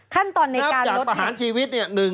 ขั้นตอนในการลดเนี่ย